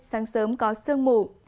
sáng sớm có sương mủ